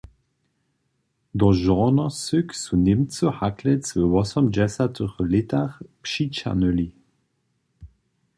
Do Žornosyk su Němcy hakle we wosomdźesatych lětach přićahnyli.